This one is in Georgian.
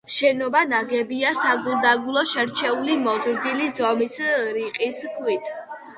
შენობა ნაგებია საგულდაგულოდ შერჩეული, მოზრდილი ზომის, რიყის ქვით.